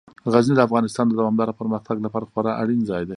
غزني د افغانستان د دوامداره پرمختګ لپاره خورا اړین ځای دی.